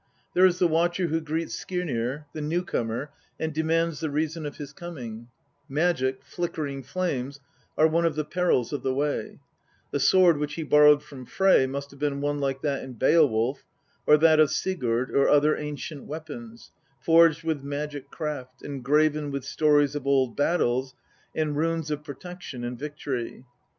There is the watcher who greets Skirnir, the newcomer, and demands the reason of his coming ; magic, flickering flames are one of the perils of the way ; the sword which he borrowed from Frey must have been one like that in Beowulf, or that of Sigurd or other ancient weapons, forged with magic craft, and graven with stories of old battles and runes of pro tection and victory.